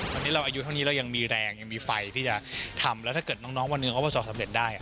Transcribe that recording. วันนี้เราอายุเท่านี้เรายังมีแรงยังมีไฟที่จะทำแล้วถ้าเกิดน้องวันหนึ่งเขาประสบสำเร็จได้